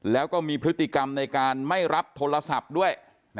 แล้วก็มีพฤติกรรมในการไม่รับโทรศัพท์ด้วย